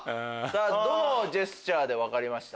どのジェスチャーで分かりました？